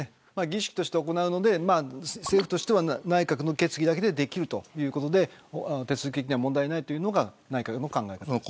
儀式として行うので内閣の決議だけでできるので手続きには問題ないというのが内閣の考え方です。